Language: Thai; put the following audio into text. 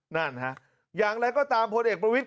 นั่นฮะอย่างไรก็ตามพลเอกประวิทย